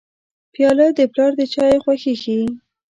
پیاله د پلار د چایو خوښي ښيي.